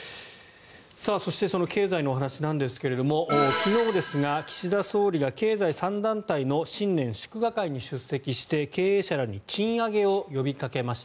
そして、その経済のお話ですが昨日ですが、岸田総理が経済３団体の新年祝賀会に出席して経営者らに賃上げを呼びかけました。